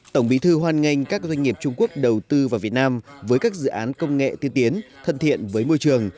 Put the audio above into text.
tổng bí thư hoan nghênh các doanh nghiệp trung quốc đầu tư vào việt nam với các dự án công nghệ tiên tiến thân thiện với môi trường